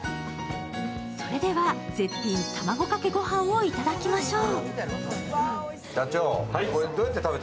それでは、絶品卵かけご飯をいただきましょう。